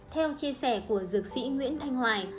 theo chia sẻ của dược sĩ nguyễn thanh hoài